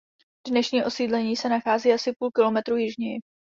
Dnešní osídlení se nachází asi půl kilometru jižněji.